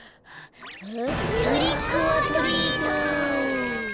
トリックオアトリート！